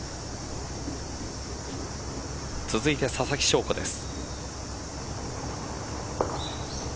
続いて、ささきしょうこです。